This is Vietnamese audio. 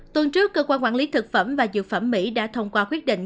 tuần trước cơ quan quản lý thực phẩm và dược phẩm mỹ đã thông qua quyết định